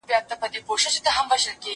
ته ولي خواړه ورکوې!.